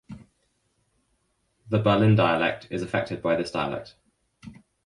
The Berlin dialect is affected by this dialect.